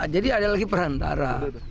jadi ada lagi perantara